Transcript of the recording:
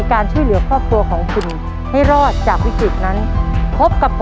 ขอบคุณค่ะ